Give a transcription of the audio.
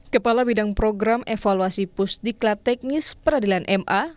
kepala bidang program evaluasi pusdiklat teknis peradilan ma